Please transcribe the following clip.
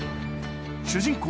主人公